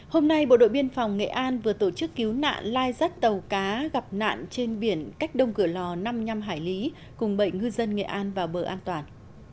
hôm nay bộ đội biên phòng nghệ an vừa tổ chức cứu nạn lai rắt tàu cá gặp nạn trên biển cách đông cửa lò năm mươi năm hải lý cùng bảy ngư dân nghệ an vào bờ an toàn